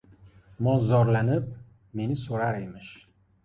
Mol zorlanib, meni so‘rar emish.